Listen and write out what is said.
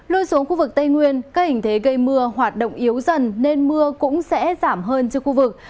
lui xuống khu vực tây nguyên các hình thế gây mưa hoạt động yếu dần nên mưa cũng sẽ giảm hơn cho khu vực